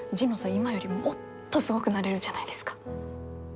今よりもっとすごくなれるじゃないですか。